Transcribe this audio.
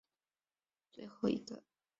伊朗有四名跆拳道运动员获得奥运资格。